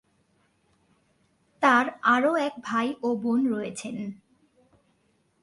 তার আরও এক ভাই ও বোন রয়েছেন।